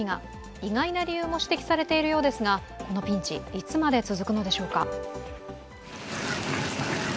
意外な理由も指摘されているようですが、このピンチいつまで続くのでしょうか？